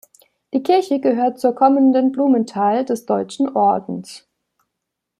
Die Kirche gehörte zur Kommende Blumenthal des Deutschen Ordens.